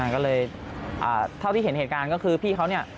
ก็เลยเท่าที่เห็นเหตุการณ์ก็คือพี่เขาเนี่ย